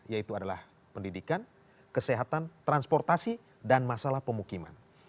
yaitu adalah pendidikan kesehatan transportasi dan masalah pemukiman